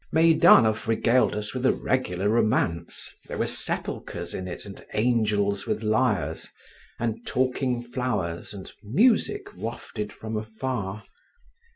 Meidanov regaled us with a regular romance; there were sepulchres in it, and angels with lyres, and talking flowers and music wafted from afar.